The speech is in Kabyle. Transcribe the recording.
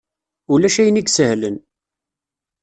Ulac ayen i isehlen!